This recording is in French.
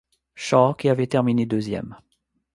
Shaw qui avait terminé deuxième.